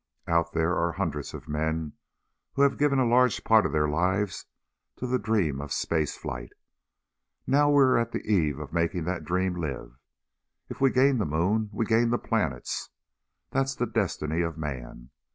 "Out there are hundreds of men who have given a large part of their lives to the dream of space flight. Now we are at the eve of making that dream live. If we gain the moon, we gain the planets. That's the destiny of Man.